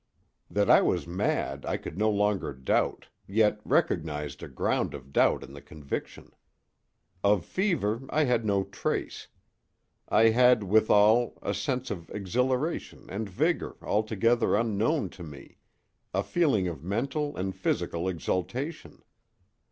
That I was mad I could no longer doubt, yet recognized a ground of doubt in the conviction. Of fever I had no trace. I had, withal, a sense of exhilaration and vigor altogether unknown to me—a feeling of mental and physical exaltation.